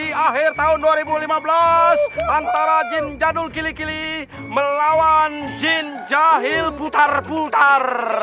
di akhir tahun dua ribu lima belas antara gym jadul kili kili melawan jin jahil putar putar